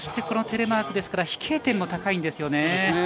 このテレマークですから飛型点も高いですよね。